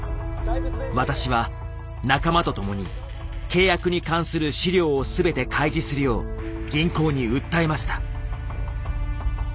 私は仲間と共に契約に関する資料を全て開示するよう銀行に訴えました。